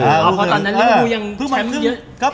เพราะตอนนั้นลิฟภูมิยังแชมป์เยอะ